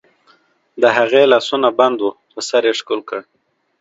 د هغې لاسونه بند وو، په سر یې ښکل کړ.